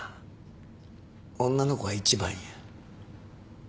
女の子は１番や。